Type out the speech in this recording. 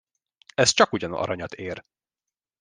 Ez csakugyan aranyat ér!